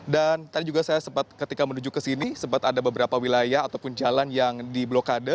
tadi juga saya sempat ketika menuju ke sini sempat ada beberapa wilayah ataupun jalan yang diblokade